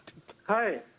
はい。